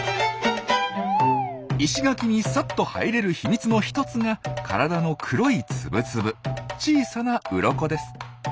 石垣にさっと入れる秘密の一つが体の黒いつぶつぶ小さなウロコです。